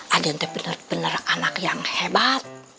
adente bener bener anak yang hebat